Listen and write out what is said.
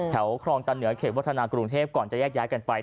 ครองตะเหนือเขตวัฒนากรุงเทพก่อนจะแยกย้ายกันไป